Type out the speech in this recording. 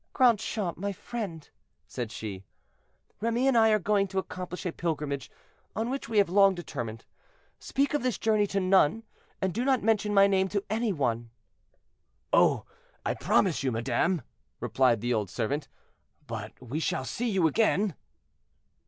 "Grandchamp, my friend," said she, "Remy and I are going to accomplish a pilgrimage on which we have long determined; speak of this journey to none, and do not mention my name to any one." "Oh! I promise you, madame," replied the old servant; "but we shall see you again?"